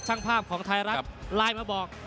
ช่างภาพของไทยรัฐไลน์มาบอก